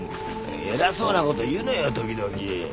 偉そうな事言うのよ時々。